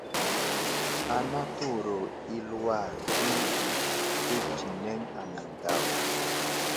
Ana təwuro i aluwar di tətsineŋ anaŋ daw.